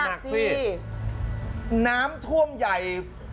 ใช่หนักสิน้ำท่วมใหญ่